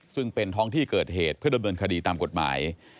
ซึ่งเป็นท้องที่เกิดเหตุเพื่อดำเนินคดีตามกฎหมาย